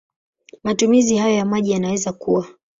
Matumizi hayo ya maji yanaweza kuwa